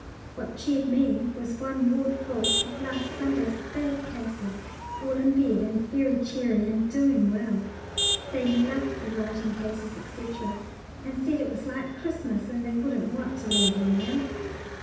What cheered me was one ward full of last Sunday's bad cases, all in bed, and very cheery and doing well. They loved the writing cases, &c., and said it was like Xmas, and they wouldn't want to leave 'ere now.